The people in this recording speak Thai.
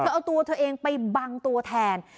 เอาตัวเธอเองไปบังตัวแทน